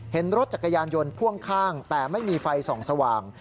เห็นรถจักรยานยนต์พ่วงข้างแต่ไม่มีไฟส่องสว่าง